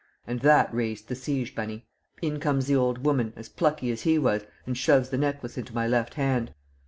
And that raised the siege, Bunny. In comes the old woman, as plucky as he was, and shoves the necklace into my left hand.